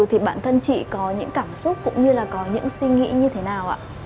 thì bản thân chị có những cảm xúc cũng như là có những suy nghĩ như thế nào ạ